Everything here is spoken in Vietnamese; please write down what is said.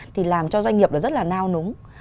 thì làm cho doanh nghiệp rất là nao núng